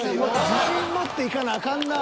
自信持っていかなあかんな。